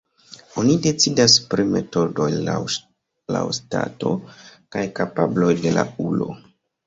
Oni decidas pri metodoj laŭ stato kaj kapabloj de la ulo.